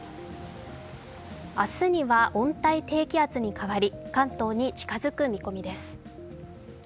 明日には温帯低気圧に変わり関東に近づく見込みです。